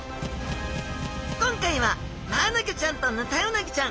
今回はマアナゴちゃんとヌタウナギちゃん！